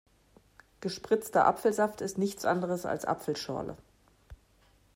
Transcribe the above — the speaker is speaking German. Gespritzter Apfelsaft ist nichts anderes als Apfelschorle.